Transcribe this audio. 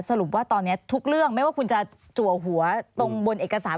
สรุปว่าตอนนี้ทุกเรื่องไม่ว่าคุณจะจัวหัวตรงบนเอกสาร